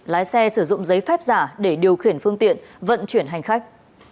lái xe sử dụng giấy phép giả để điều khiển phương tiện vận chuyển hành khách